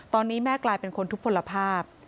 ตอนนี้แม่กลายเป็นคนทุกผลภาพ